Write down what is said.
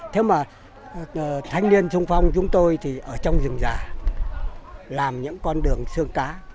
thế mà thanh niên xung phong chúng tôi thì ở trong rừng dài làm những con đường xương cá